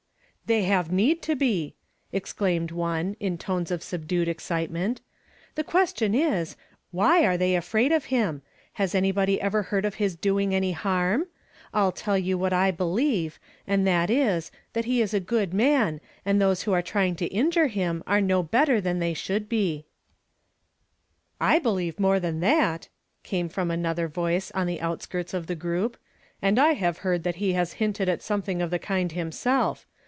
" They have need to be !" exclaimed one, in tones of subdued excitement. " The question is, Why are they afraid of him? Has anybody ever heard of his doing any harm ? I'll tell you wliat I believe, and that is, that he is a good man, and those who arc trying to injure him are no better than they should be." m YESTERDAY FRAMED IN TO DAY. " I believe more than that," came from another voice on the outskirts of the groiij) ;'* and I liavc heard that he has hinted at something of the kind himself.